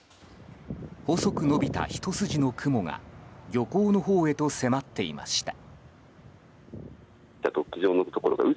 細く延びたひと筋の雲が漁港のほうへと迫っていました。